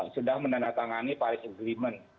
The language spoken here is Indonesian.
sudah menandatangani paris agreement